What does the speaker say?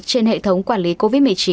trên hệ thống quản lý covid một mươi chín